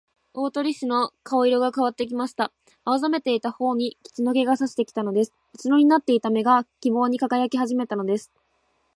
大鳥氏の顔色がかわってきました。青ざめていたほおに血の気がさしてきたのです。うつろになっていた目が、希望にかがやきはじめたのです。